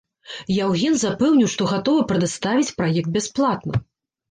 Яўген запэўніў што гатовы прадаставіць праект бясплатна.